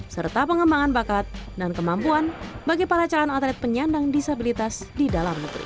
serta pengembangan bakat dan kemampuan bagi para calon atlet penyandang disabilitas di dalam negeri